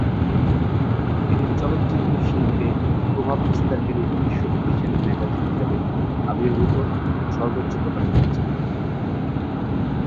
এটি চলচ্চিত্র শিল্পে প্রভাব বিস্তারকারী একটি শক্তিশালী ম্যাগাজিন হিসেবে আবির্ভূত ও সর্বোচ্চ প্রকাশনা ছিল।